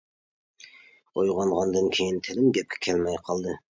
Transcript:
ئويغانغاندىن كېيىن، تىلىم گەپكە كەلمەي قالدى.